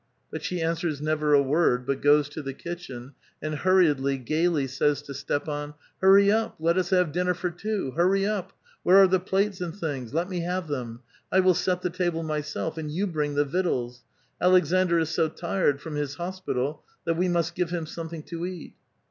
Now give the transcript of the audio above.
" But she answers never a word, but goes to the kitchen, and hurriedly, gayly, says to Stepan: "Hurry up; let us have dinner for two ! hurry up — where are the plates and things ! Let me have them ; 1 will set the table myself, and you bring the victuals. Aleksandr is so tired from his hos pital that we must give him somethlug to eat."